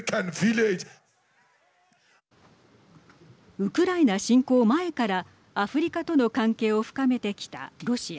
ウクライナ侵攻前からアフリカとの関係を深めてきたロシア。